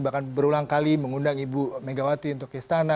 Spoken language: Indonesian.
bahkan berulang kali mengundang ibu megawati untuk istana